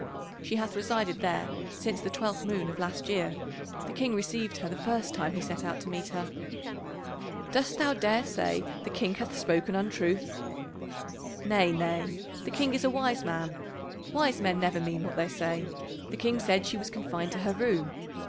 "She hath resided there since the twelfth moon of last year. The King received her the first time he set out to meet her." "Dost thou dare say the King hath spoken untruth?" "Nay, nay. The King is a wise man. Wise men never mean what they say. The King said she was confined to her room.